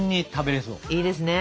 いいですね。